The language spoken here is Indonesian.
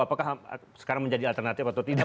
apakah sekarang menjadi alternatif atau tidak